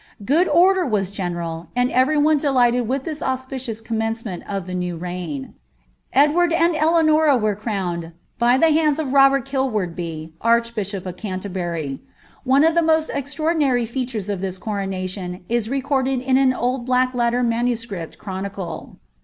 Good order w&b general, and every one delighted with this auspicious cfNB mcncemenl of the new rci^n. Edward and Eleanors were crowned by the hnnilB of Robert Kilwnrdby. archbishop of Cameibury. One of th* ino«I extraordinary features of this coronation is recorded in so old black letter manuscript chronicle.'